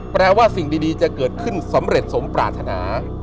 แปลว่าสิ่งดีจะเกิดขึ้นสำเร็จสมปรารถนา